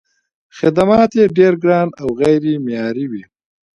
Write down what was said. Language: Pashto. خدمات یې ډېر ګران او غیر معیاري وي.